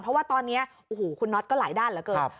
เพราะว่าตอนนี้คุณคุณน็อตก็หลายด้านกัน